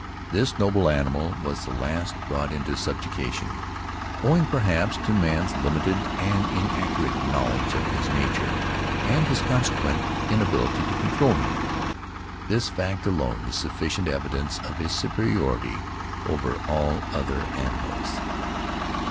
This noble animal was the last brought into subjection, owing, perhaps, to man's limited and inaccurate knowledge of his nature, and his consequent inability to control him. This fact alone is sufficient evidence of his superiority over all other animals.